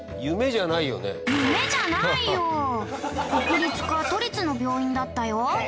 国立か都立の病院だったよ。